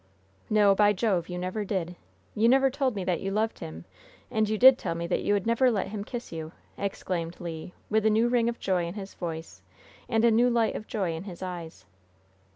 "No, by Jove, so you never did! You never told me that you loved him; and you did tell me that you had never let him kiss you!" exclaimed Le, with a new ring of joy in his voice and a new light of joy in his eyes.